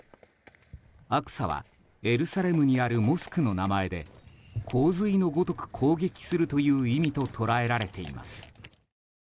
アクサはエルサレムにあるモスクの名前で洪水のごとく攻撃するという意味と、捉えられています。